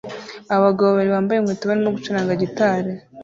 abagabo babiri bambaye inkweto barimo gucuranga gitari